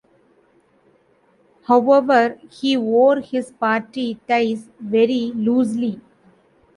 However, he wore his party ties very loosely.